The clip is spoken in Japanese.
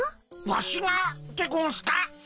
ワシがでゴンスか？